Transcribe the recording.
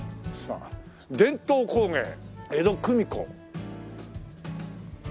「伝統工芸江戸組子建松」